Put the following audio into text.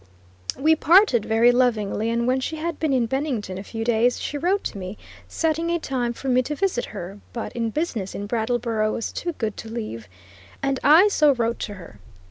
We parted very lovingly, and when she had been in Bennington a few days she wrote to me, setting a time for me to visit her; but in business in Brattleboro was too good to leave, and I so wrote to her.